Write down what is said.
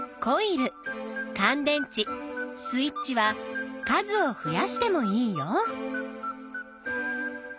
コイルかん電池スイッチは数を増やしてもいいよ。